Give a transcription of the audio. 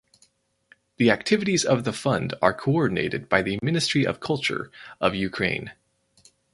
The activities of the fund are coordinated by the Ministry of Culture of Ukraine.